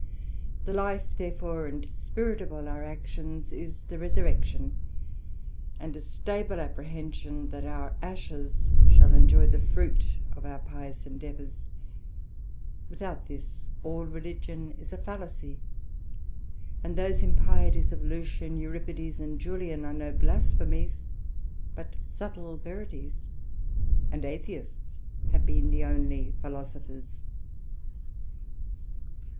The life therefore and spirit of all our actions, is the resurrection, and a stable apprehension that our ashes shall enjoy the fruit of our pious endeavours: without this, all Religion is a fallacy, and those impieties of Lucian, Euripides, and Julian, are no blasphemies, but subtle verities, and Atheists have been the onely Philosophers.